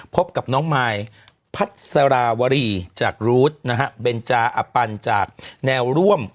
พบกับน้องมายพัสราวรีจากรูดนะฮะเบนจาอปันจากแนวร่วม